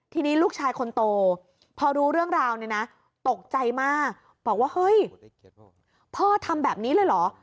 ทีนี้ลูกชายคนโตพอรู้เรื่องราวเนี่ยนะตกใจมากบอกว่าเฮ้ยพ่อทำแบบนี้เลยเหรอ